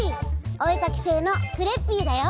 おえかきせいのクレッピーだよ！